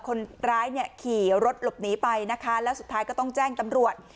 คนร้ายเนี่ยขี่รถหลบหนีไปนะคะแล้วสุดท้ายก็ต้องแจ้งตำรวจ